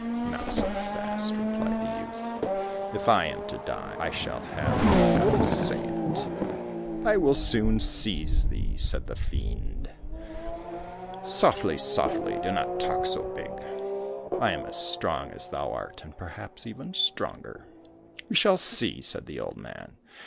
"Not so fast," replied the youth. "If I am to die, I shall have to have a say in it." "I will soon seize thee," said the fiend. "Softly, softly, do not talk so big. I am as strong as thou art, and perhaps even stronger." "We shall see," said the old man.